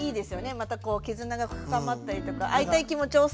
また絆が深まったりとか会いたい気持ちを抑えて。